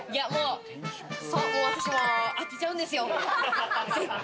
私もう当てちゃうんですよ。